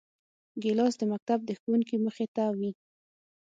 ګیلاس د مکتب د ښوونکي مخې ته وي.